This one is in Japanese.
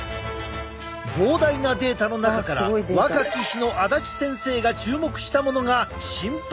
膨大なデータの中から若き日の足達先生が注目したものが心拍数だ。